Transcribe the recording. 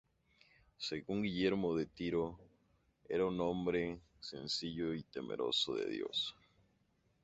Según Guillermo de Tiro era un hombre sencillo y temeroso de Dios.